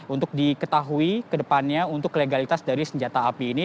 untuk diketahui kedepannya untuk legalitas dari senjata api ini